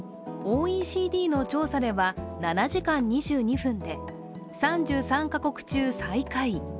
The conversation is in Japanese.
ＯＥＣＤの調査では７時間２２分で３３カ国中最下位。